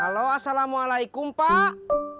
halo assalamualaikum pak